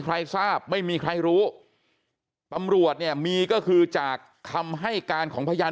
ทราบไม่มีใครรู้ตำรวจเนี่ยมีก็คือจากคำให้การของพยาน